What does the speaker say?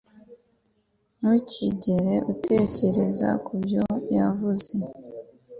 Ntukigere utekereza kubyo yavuze